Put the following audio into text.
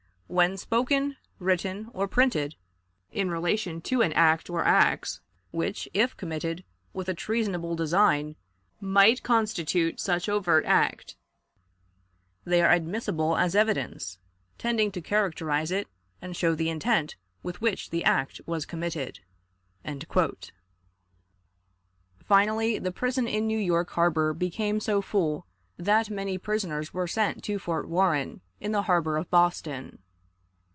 When spoken, written, or printed, in relation to an act or acts which, if committed with a treasonable design, might constitute such overt act, they are admissible as evidence, tending to characterize it and show the intent with which the act was committed." Finally, the prison in New York Harbor became so full that many prisoners were sent to Fort Warren in the harbor of Boston.